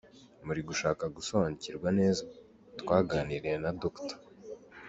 Mu gushaka gusobanukirwa neza, twaganiriye na Dr.